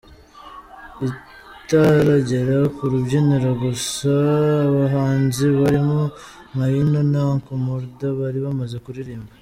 I ataragera ku rubyiniro gusa abahanzi barimo Maino na Uncle Murda bari bamaze kuririmba.